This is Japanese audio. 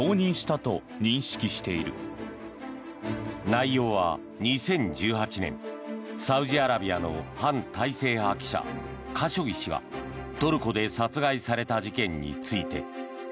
内容は２０１８年サウジアラビアの反体制派記者カショギ氏がトルコで殺害された事件について。